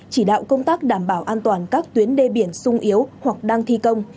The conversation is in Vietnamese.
chỉ đạo công tác đảm bảo an toàn các tuyến đê biển sung yếu hoặc đang thi công